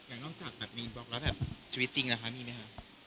อย่างนอกจากมีนบล็อกแล้วแบบชีวิตจริงแหละคะมีมั้ยคะ